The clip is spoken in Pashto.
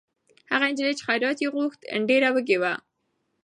هغه نجلۍ چې خیرات یې غوښت، ډېره وږې وه.